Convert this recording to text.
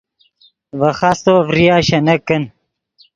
ڤے خاستو ڤریا شینک کن